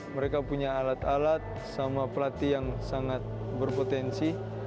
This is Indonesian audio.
mereka punya alat alat sama pelatih yang sangat berpotensi